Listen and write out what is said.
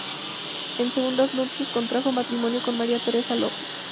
En segundas nupcias contrajo matrimonio con María Teresa López.